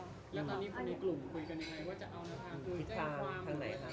แล้วตอนนี้คนในกลุ่มคุยกันอย่างไรว่าจะเอานะคะ